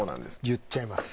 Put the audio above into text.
言っちゃいます。